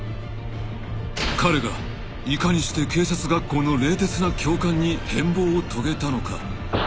［彼がいかにして警察学校の冷徹な教官に変貌を遂げたのか？］